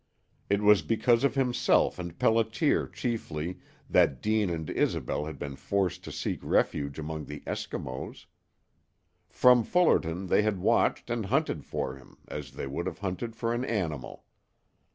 It was because of himself and Pelliter chiefly that Deane and Isobel had been forced to seek refuge among the Eskimos. From Fullerton they had watched and hunted for him as they would have hunted for an animal.